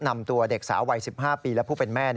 นำตัวเด็กสาววัย๑๕ปีและผู้เป็นแม่